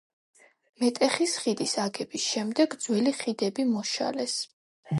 მეტეხის ხიდის აგების შემდეგ ძველი ხიდები მოშალეს.